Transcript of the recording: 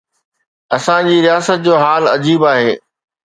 اسان جي رياست جو حال عجيب آهي.